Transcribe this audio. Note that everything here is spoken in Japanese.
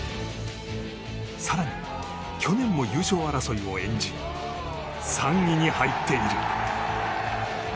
更に、去年も優勝争いを演じ３位に入っている。